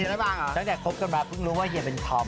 ตั้งแต่คบกันมาเพิ่งรู้เฮียเป็นคอง